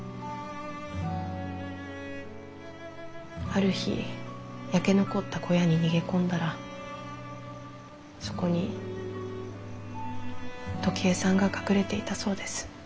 ある日焼け残った小屋に逃げ込んだらそこに時恵さんが隠れていたそうです。